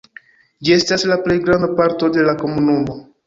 Ĝi estas la plej granda parto de la komunumo.